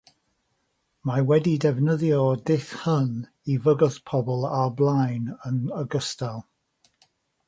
Mae wedi defnyddio'r dull hwn i fygwth pobl o'r blaen, yn ogystal.